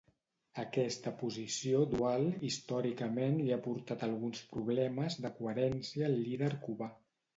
Aquesta posició dual històricament li ha portat alguns problemes de coherència al líder cubà.